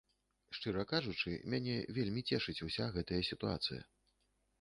Шчыра кажучы, мяне вельмі цешыць уся гэтая сітуацыя.